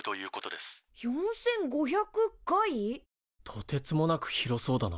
とてつもなく広そうだな。